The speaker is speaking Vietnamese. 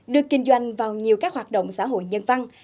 được kinh doanh vào nhiều các hoạt động xã hội nhân văn